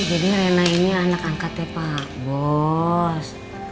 oh jadi rina ini anak angkatnya pak bos